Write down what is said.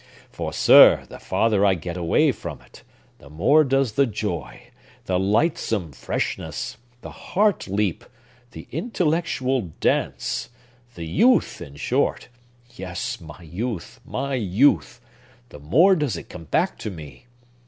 for, sir, the farther I get away from it, the more does the joy, the lightsome freshness, the heart leap, the intellectual dance, the youth, in short,—yes, my youth, my youth!—the more does it come back to me.